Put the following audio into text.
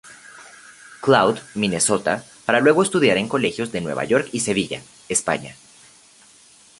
Cloud, Minnesota, para luego estudiar en colegios de Nueva York y Sevilla, España.